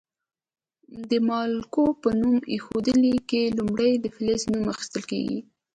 د مالګو په نوم ایښودلو کې لومړی د فلز نوم اخیستل کیږي.